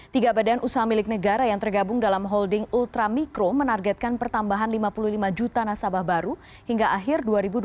tiga badan usaha milik negara yang tergabung dalam holding ultramikro menargetkan pertambahan lima puluh lima juta nasabah baru hingga akhir dua ribu dua puluh tiga